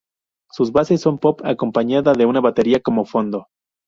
Sus bases son pop acompañada de una batería como fondo.